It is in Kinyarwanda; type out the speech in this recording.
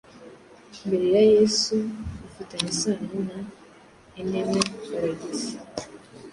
mbere ya Yesu bifitanye isano na Enmebaragesi